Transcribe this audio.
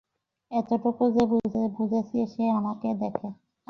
এটুকু যে বুঝেছি সে আপনাকে দেখে।